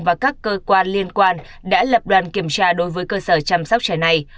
và các cơ quan liên quan đã lập đoàn kiểm tra đối với cơ sở chăm sóc trẻ này